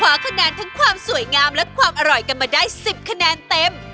คะแนนทั้งความสวยงามและความอร่อยกันมาได้๑๐คะแนนเต็ม